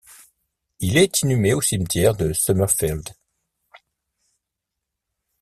Il est inhumé au cimetière de Summerfield.